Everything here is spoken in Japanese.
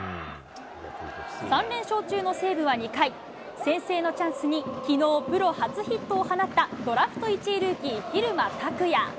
３連勝中の西武は２回、先制のチャンスにきのう、プロ初ヒットを放ったドラフト１位ルーキー、蛭間拓哉。